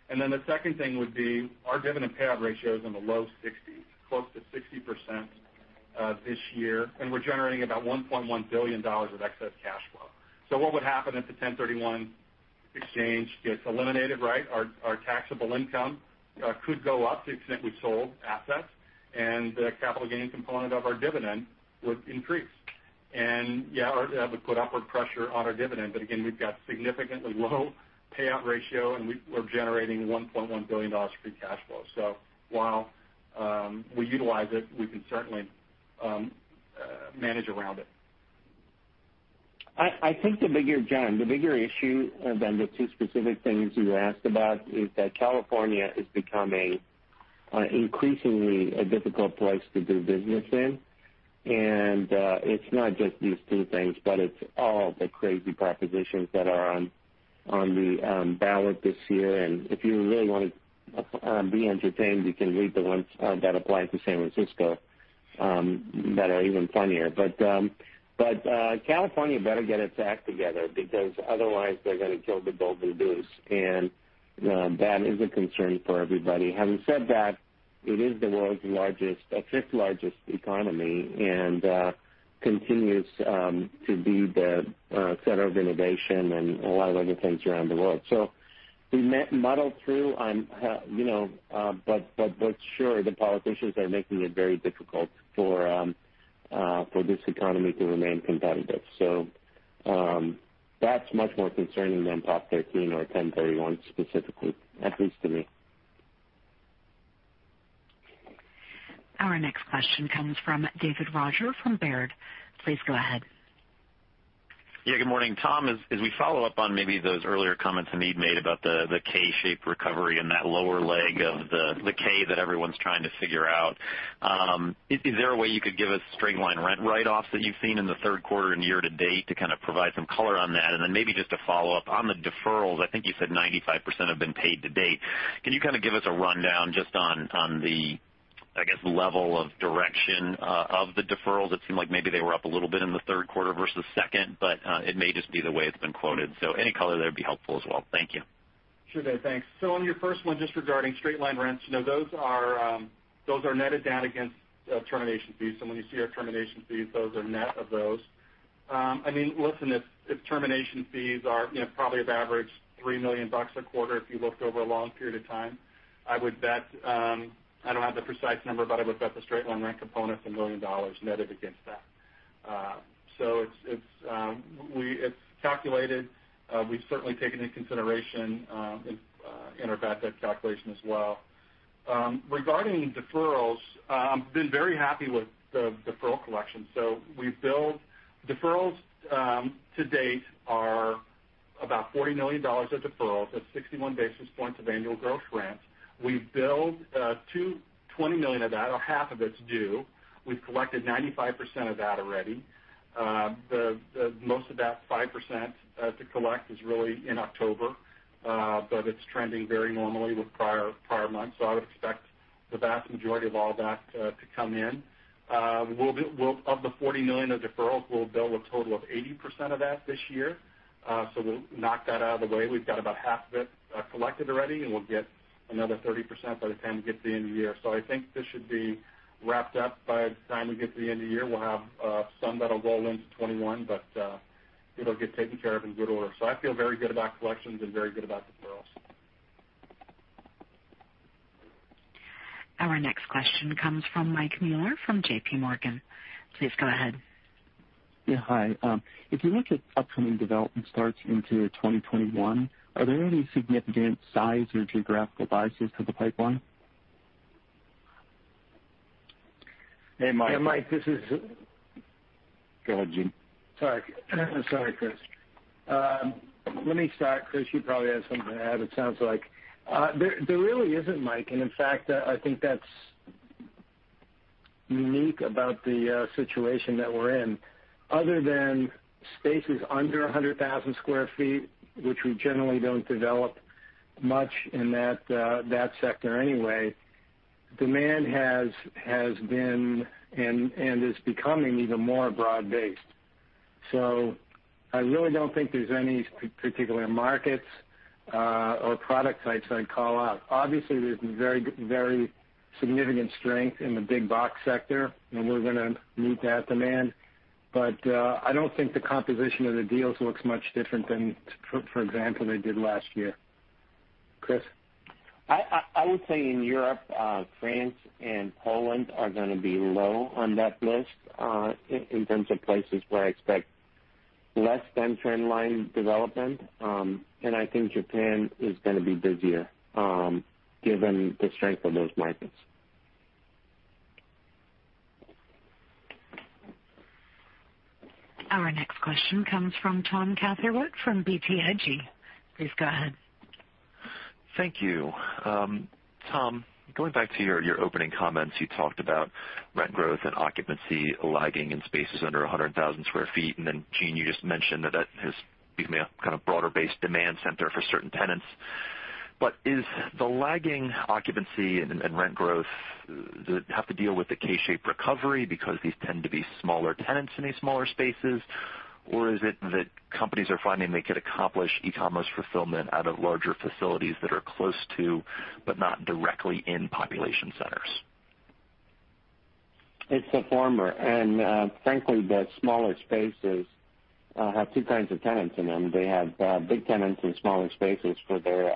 The second thing would be our dividend payout ratio is in the low 60s, close to 60% this year, and we're generating about $1.1 billion of excess cash flow. What would happen if the 1031 exchange gets eliminated, right? Our taxable income could go up to the extent we sold assets, and the capital gain component of our dividend would increase. Yeah, that would put upward pressure on our dividend. Again, we've got significantly low payout ratio, and we're generating $1.1 billion free cash flow. While we utilize it, we can certainly manage around it. I think, Jon, the bigger issue than the two specific things you asked about is that California is becoming increasingly a difficult place to do business in. It's not just these two things, but it's all the crazy propositions that are on the ballot this year. If you really want to be entertained, you can read the ones that apply to San Francisco that are even funnier. California better get its act together because otherwise they're going to kill the golden goose. That is a concern for everybody. Having said that, it is the world's fifth-largest economy and continues to be the center of innovation and a lot of other things around the world. We muddle through, but sure, the politicians are making it very difficult for this economy to remain competitive. That's much more concerning than Prop 13 or 1031 specifically, at least to me. Our next question comes from David Rodgers from Baird. Please go ahead. Yeah, good morning. Tom, as we follow up on maybe those earlier comments Hamid made about the K-shaped recovery and that lower leg of the K that everyone's trying to figure out, is there a way you could give us straight line rent write-offs that you've seen in the third quarter and year to date to kind of provide some color on that? Maybe just a follow-up. On the deferrals, I think you said 95% have been paid to date. Can you kind of give us a rundown just on the, I guess, level of direction of the deferrals? It seemed like maybe they were up a little bit in the third quarter versus second, it may just be the way it's been quoted. Any color there would be helpful as well. Thank you. Sure Dave, thanks. On your first one, just regarding straight line rents, those are netted down against termination fees. When you see our termination fees, those are net of those. Listen, if termination fees probably have averaged $3 million a quarter if you looked over a long period of time, I don't have the precise number, but I would bet the straight line rent component's $1 million netted against that. It's calculated. We've certainly taken into consideration in our bad debt calculation as well. Regarding deferrals, I've been very happy with the deferral collection. Deferrals to date are about $40 million of deferrals. That's 61 basis points of annual gross rents. We've billed two $20 million of that, or half of it's due. We've collected 95% of that already. Most of that 5% to collect is really in October. It's trending very normally with prior months. I would expect The vast majority of all that to come in. Of the $40 million of deferrals, we'll bill a total of 80% of that this year. We'll knock that out of the way. We've got about half of it collected already, and we'll get another 30% by the time we get to the end of the year. I think this should be wrapped up by the time we get to the end of the year. We'll have some that'll roll into 2021, but it'll get taken care of in good order. I feel very good about collections and very good about deferrals. Our next question comes from Mike Mueller from JPMorgan. Please go ahead. Yeah, hi. If you look at upcoming development starts into 2021, are there any significant size or geographical biases to the pipeline? Hey, Mike. Hey, Mike, this is. Go ahead, Gene. Sorry. Sorry, Chris. Let me start, Chris. You probably have something to add, it sounds like. There really isn't, Mike, and in fact, I think that's unique about the situation that we're in. Other than spaces under 100,000 sq ft, which we generally don't develop much in that sector anyway, demand has been, and is becoming even more broad-based. I really don't think there's any particular markets or product types I'd call out. Obviously, there's very significant strength in the big box sector, and we're going to meet that demand. I don't think the composition of the deals looks much different than, for example, they did last year. Chris? I would say in Europe, France and Poland are going to be low on that list in terms of places where I expect less than trend line development. I think Japan is going to be busier given the strength of those markets. Our next question comes from Tom Catherwood from BTIG. Please go ahead. Thank you. Tom, going back to your opening comments, you talked about rent growth and occupancy lagging in spaces under 100,000 sq ft. Gene, you just mentioned that broader-based demand center for certain tenants. Is the lagging occupancy and rent growth have to deal with the K-shape recovery because these tend to be smaller tenants in these smaller spaces? Is it that companies are finding they could accomplish e-commerce fulfillment out of larger facilities that are close to, but not directly in population centers? It's the former. Frankly, the smaller spaces have two kinds of tenants in them. They have big tenants in smaller spaces for their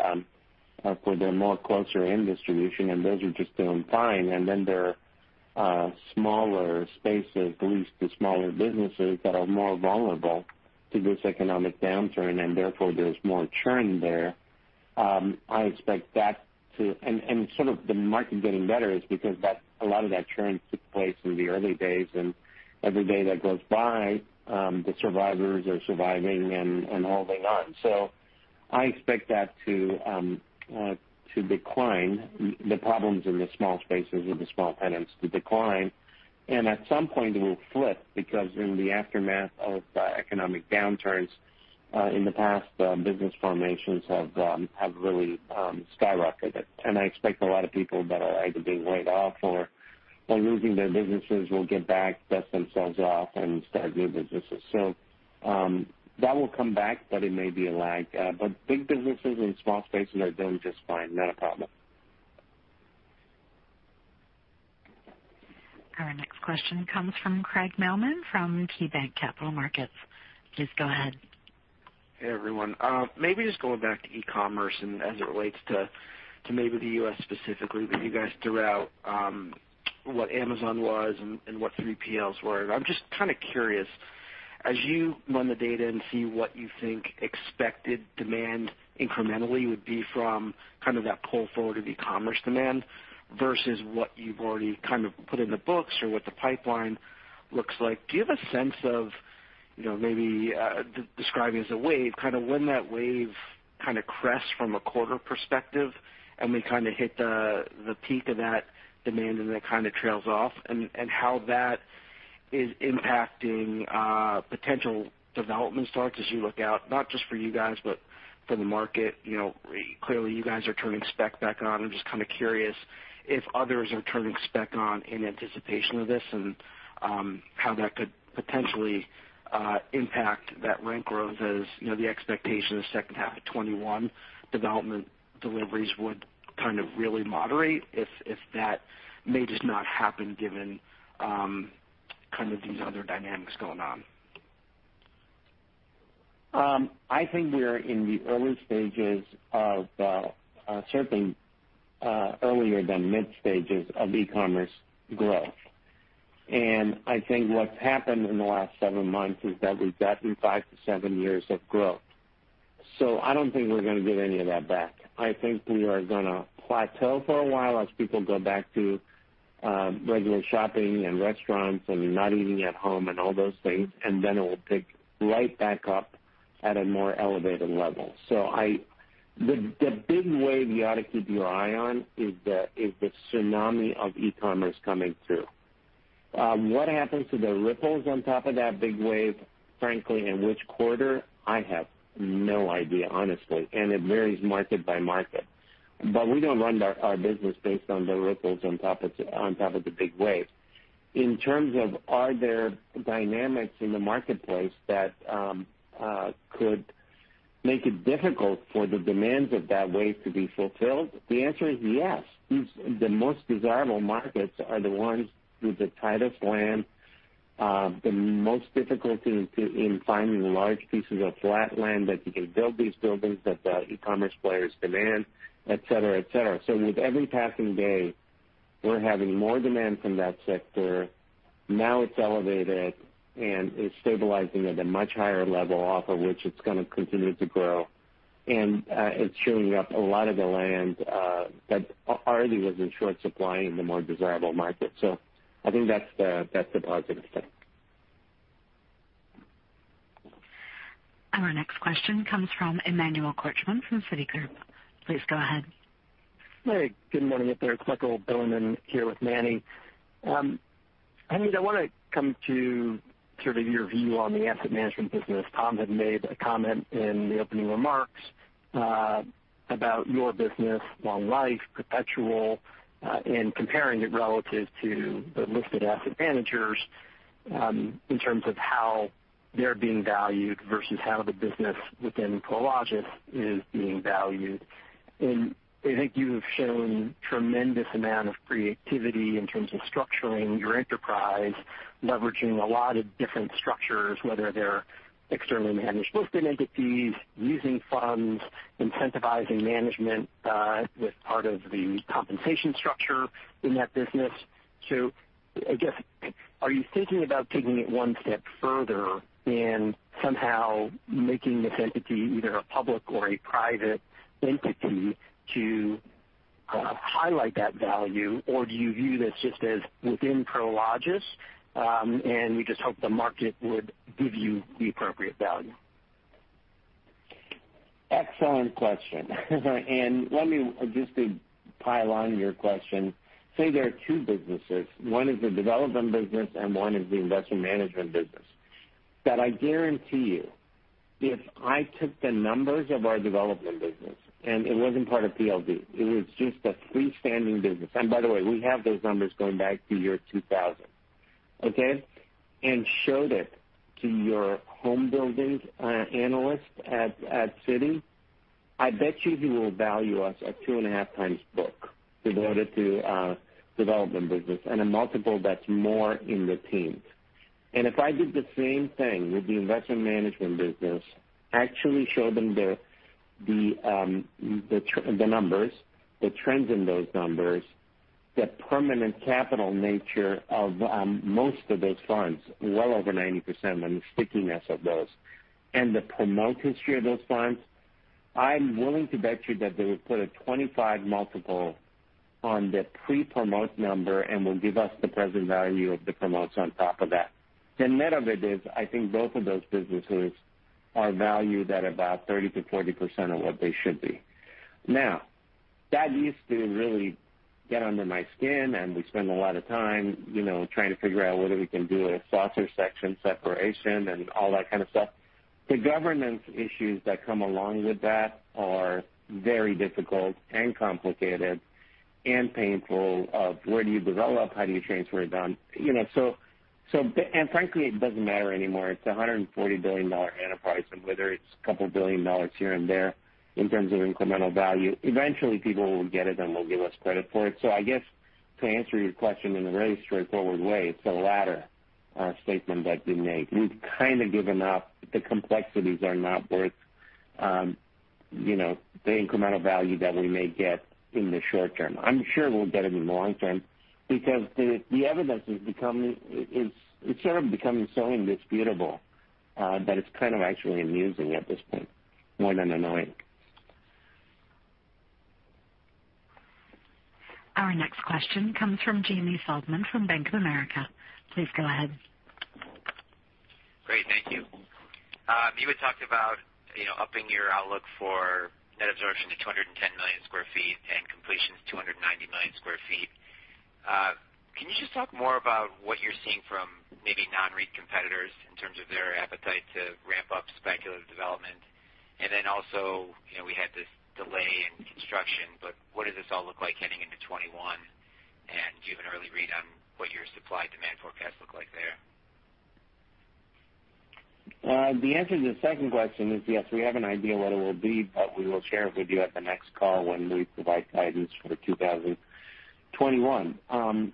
more closer-in distribution, and those are just doing fine. Then there are smaller spaces leased to smaller businesses that are more vulnerable to this economic downturn, and therefore there's more churn there. Sort of the market getting better is because a lot of that churn took place in the early days, and every day that goes by, the survivors are surviving and holding on. I expect that to decline, the problems in the small spaces with the small tenants to decline. At some point, it will flip because in the aftermath of economic downturns in the past, business formations have really skyrocketed. I expect a lot of people that are either being laid off or losing their businesses will get back, dust themselves off and start new businesses. That will come back, but it may be a lag. Big businesses in small spaces are doing just fine. Not a problem. Our next question comes from Craig Mailman from KeyBanc Capital Markets. Please go ahead. Hey, everyone. Maybe just going back to e-commerce and as it relates to maybe the U.S. specifically, but you guys threw out what Amazon was and what 3PLs were. I'm just kind of curious, as you run the data and see what you think expected demand incrementally would be from kind of that pull forward of e-commerce demand versus what you've already kind of put in the books or what the pipeline looks like. Do you have a sense of maybe describing as a wave, kind of when that wave kind of crests from a quarter perspective, and we kind of hit the peak of that demand, and then it kind of trails off, and how that is impacting potential development starts as you look out, not just for you guys, but for the market? Clearly you guys are turning spec back on. I'm just kind of curious if others are turning spec on in anticipation of this and how that could potentially impact that rent growth as the expectation of the second half of 2021 development deliveries would kind of really moderate if that may just not happen given kind of these other dynamics going on. I think we're in the early stages of, certainly earlier than mid-stages of e-commerce growth. I think what's happened in the last seven months is that we've gotten five to seven years of growth. I don't think we're going to get any of that back. I think we are going to plateau for a while as people go back to regular shopping and restaurants and not eating at home and all those things, and then it will pick right back up at a more elevated level. The big wave you ought to keep your eye on is the tsunami of e-commerce coming through. What happens to the ripples on top of that big wave, frankly, in which quarter? I have no idea, honestly, and it varies market by market. We don't run our business based on the ripples on top of the big wave. In terms of are there dynamics in the marketplace that could make it difficult for the demands of that wave to be fulfilled? The answer is yes. The most desirable markets are the ones with the tightest land, the most difficulty in finding large pieces of flat land that you can build these buildings that the e-commerce players demand, et cetera. With every passing day, we're having more demand from that sector. Now it's elevated, and it's stabilizing at a much higher level off of which it's going to continue to grow. It's chewing up a lot of the land that already was in short supply in the more desirable markets. I think that's the positive spin. Our next question comes from Emmanuel Korchman from Citigroup. Please go ahead. Hey, good morning, everyone. It's Michael Bilerman here with Manny. Hamid, I want to come to sort of your view on the asset management business. Tom had made a comment in the opening remarks about your business, long life, perpetual, and comparing it relative to the listed asset managers in terms of how they're being valued versus how the business within Prologis is being valued. I think you've shown tremendous amount of creativity in terms of structuring your enterprise, leveraging a lot of different structures, whether they're externally managed listed entities, using funds, incentivizing management, with part of the compensation structure in that business. I guess, are you thinking about taking it one step further and somehow making this entity either a public or a private entity to highlight that value? Do you view this just as within Prologis, and you just hope the market would give you the appropriate value? Excellent question. Let me just pile on your question. Say there are two businesses. One is the development business, and one is the investment management business. That I guarantee you, if I took the numbers of our development business, and it wasn't part of PLD, it was just a freestanding business. By the way, we have those numbers going back to year 2000. Okay. Showed it to your home building analyst at Citi, I bet you he will value us at 2.5 times book related to our development business and a multiple that's more in the teens. If I did the same thing with the investment management business, actually show them the numbers, the trends in those numbers, the permanent capital nature of most of those funds, well over 90% on the stickiness of those, and the promoters share those funds. I'm willing to bet you that they would put a 25 multiple on the pre-promote number and will give us the present value of the promotes on top of that. The net of it is, I think both of those businesses are valued at about 30%-40% of what they should be. That used to really get under my skin, and we spend a lot of time trying to figure out whether we can do a saucer section separation and all that kind of stuff. The governance issues that come along with that are very difficult and complicated and painful of where do you develop, how do you transfer it down? Frankly, it doesn't matter anymore. It's a $140 billion enterprise. Whether it's a couple of billion dollars here and there in terms of incremental value, eventually people will get it and will give us credit for it. I guess to answer your question in a very straightforward way, it's the latter statement that you made. We've kind of given up. The complexities are not worth the incremental value that we may get in the short term. I'm sure we'll get it in the long term because the evidence has become so indisputable that it's kind of actually amusing at this point more than annoying. Our next question comes from Jamie Feldman from Bank of America. Please go ahead. Great. Thank you. You had talked about upping your outlook for net absorption to 210 million sq ft and completions 290 million sq ft. Can you just talk more about what you're seeing from maybe non-REIT competitors in terms of their appetite to ramp up speculative development? Also, we had this delay in construction, but what does this all look like heading into 2021? Do you have an early read on what your supply-demand forecast look like there? The answer to the second question is yes. We have an idea what it will be, but we will share it with you at the next call when we provide guidance for 2021.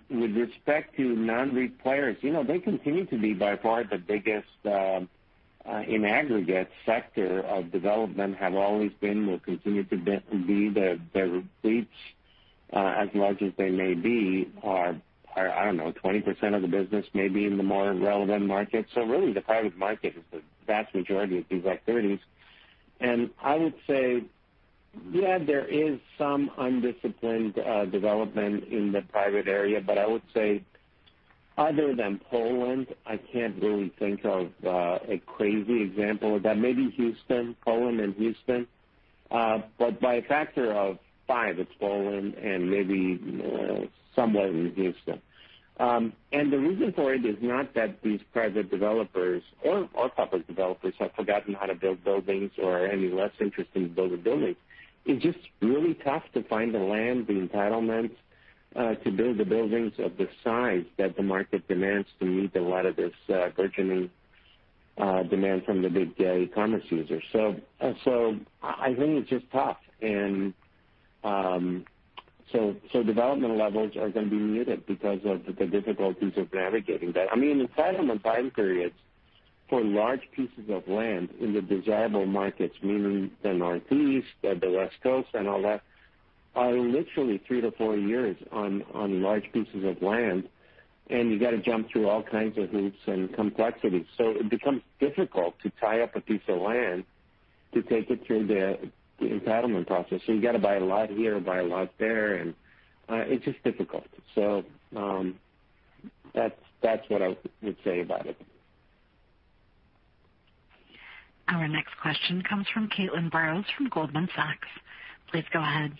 With respect to non-REIT players, they continue to be by far the biggest, in aggregate sector of development, have always been, will continue to be. Their REITs as large as they may be, are, I don't know, 20% of the business, maybe in the more relevant markets. Really, the private market is the vast majority of these activities. I would say, yeah, there is some undisciplined development in the private area. I would say other than Poland, I can't really think of a crazy example of that. Maybe Houston, Poland, and Houston. By a factor of five it's fallen and maybe somewhat reduced them. The reason for it is not that these private developers or public developers have forgotten how to build buildings or are any less interested in building buildings. It's just really tough to find the land, the entitlements to build the buildings of the size that the market demands to meet a lot of this burgeoning demand from the big e-commerce users. I think it's just tough. Development levels are going to be muted because of the difficulties of navigating that. I mean, entitlement time periods for large pieces of land in the desirable markets, meaning the Northeast and the West Coast and all that, are literally three to four years on large pieces of land, and you got to jump through all kinds of hoops and complexities. It becomes difficult to tie up a piece of land to take it through the entitlement process. You got to buy a lot here, buy a lot there, and it's just difficult. That's what I would say about it. Our next question comes from Caitlin Burrows from Goldman Sachs. Please go ahead.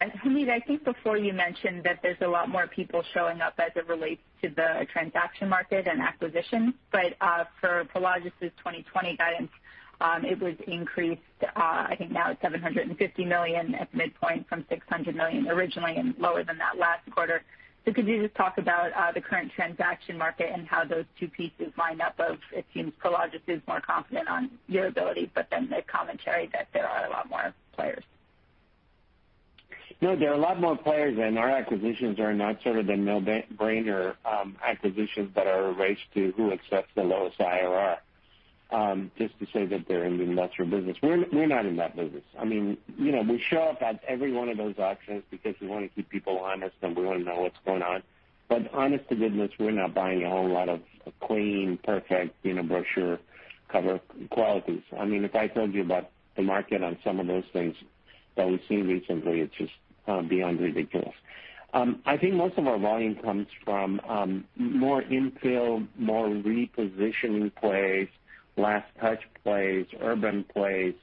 Hamid, I think before you mentioned that there's a lot more people showing up as it relates to the transaction market and acquisitions. For Prologis' 2020 guidance, it was increased, I think now it's $750 million at midpoint from $600 million originally and lower than that last quarter. Could you just talk about the current transaction market and how those two pieces line up of, it seems Prologis is more confident on your ability, but then the commentary that there are a lot more players. No, there are a lot more players. Our acquisitions are not sort of the no-brainer acquisitions that are a race to who accepts the lowest IRR, just to say that they're in the industrial business. We're not in that business. We show up at every one of those auctions because we want to keep people honest, and we want to know what's going on. Honest to goodness, we're not buying a whole lot of clean, perfect brochure cover qualities. If I told you about the market on some of those things that we've seen recently, it's just beyond ridiculous. I think most of our volume comes from more infill, more repositioning plays, last touch plays, urban plays,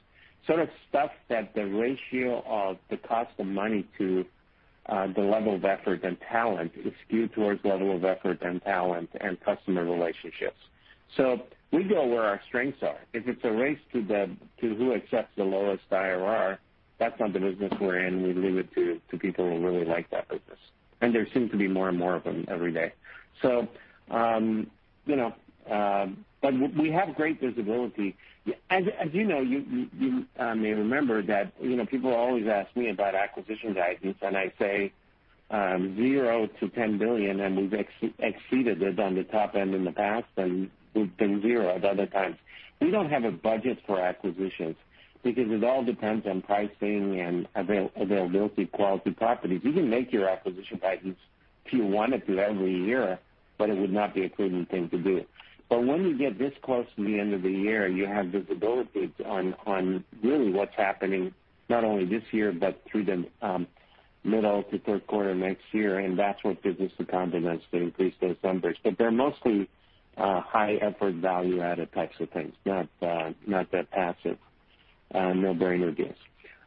sort of stuff that the ratio of the cost of money to the level of effort and talent is skewed towards level of effort and talent and customer relationships. We go where our strengths are. If it's a race to who accepts the lowest IRR, that's not the business we're in. We leave it to people who really like that business, and there seems to be more and more of them every day. But we have great visibility. As you know, you may remember that people always ask me about acquisition guidance, and I say zero to $10 billion, and we've exceeded it on the top end in the past, and we've been zero at other times. We don't have a budget for acquisitions because it all depends on pricing and availability of quality properties. You can make your acquisition guidance if you wanted to every year, but it would not be a prudent thing to do. When you get this close to the end of the year, you have visibility on really what's happening not only this year but through the middle to third quarter next year, and that's what give us the confidence to increase those numbers. They're mostly high effort value-added types of things, not that passive no-brainer deals.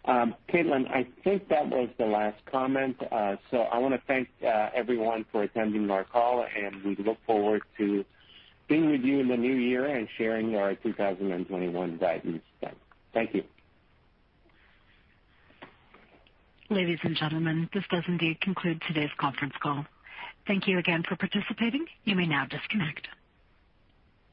Caitlin, I think that was the last comment. I want to thank everyone for attending our call and we look forward to being with you in the new year and sharing our 2021 guidance then. Thank you. Ladies and gentlemen, this does indeed conclude today's conference call. Thank you again for participating. You may now disconnect.